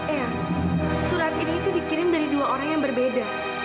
iya surat ini itu dikirim dari dua orang yang berbeda